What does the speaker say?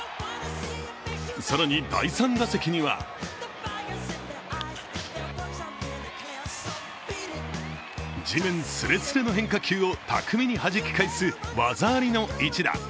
更に第３打席には地面すれすれの変化球を巧みにはじ返す技ありの一打。